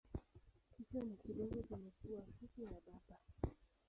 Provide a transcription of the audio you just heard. Kichwa ni kidogo chenye pua fupi na bapa.